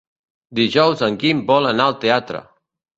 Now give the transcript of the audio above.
Dijous en Guim vol anar al teatre.